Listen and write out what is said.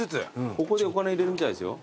ここでお金入れるみたいですよ。